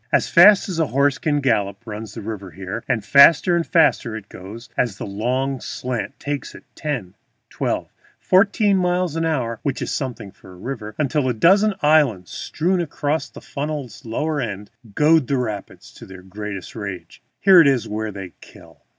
As fast as a horse can gallop runs the river here, and faster and faster it goes as the long slant takes it, ten, twelve, fourteen miles an hour (which is something for a river), until a dozen islands strewn across the funnel's lower end goad the rapids to their greatest rage. Here is where they kill.